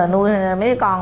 nuôi mấy con